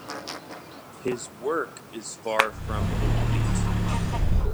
His work is far from complete.